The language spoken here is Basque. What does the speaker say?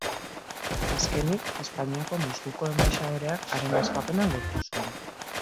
Azkenik, Espainiako Moskuko enbaxadoreak haren askapena lortu zuen.